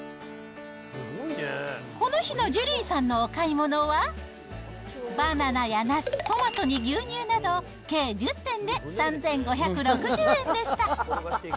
この日のジュリーさんのお買い物は、バナナやナス、トマトに牛乳など、計１０点で３５６０円でした。